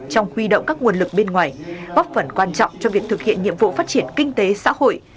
trong huy động các nguồn lực bên ngoài góp phần quan trọng cho việc thực hiện nhiệm vụ phát triển kinh tế xã hội